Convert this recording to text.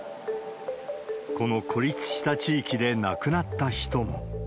この孤立した地域で亡くなった人も。